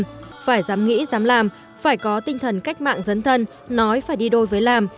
phải dám nghĩ dám làm phải có tinh thần cách mạng dân thân nói phải đi đôi với làm